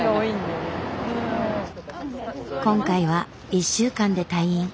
今回は１週間で退院。